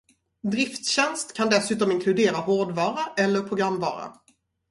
Drifttjänst kan dessutom inkludera hårdvara eller programvara.